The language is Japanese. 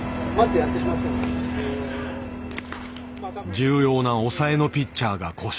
重要な抑えのピッチャーが故障。